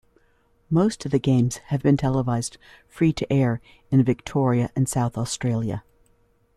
Most of the games have been televised free-to-air in Victoria and South Australia.